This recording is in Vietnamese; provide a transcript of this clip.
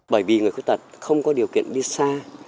bởi vì người khuyết tật không có điều kiện đi xa